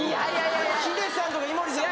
ヒデさんとか井森さん